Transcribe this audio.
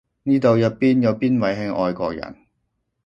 呢度入邊有邊位係外國人？